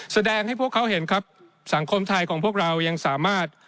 แสดงให้พวกเขาเห็นครับสังคมไทยของพวกเรายังสามารถ